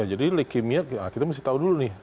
jadi leukemia kita mesti tahu dulu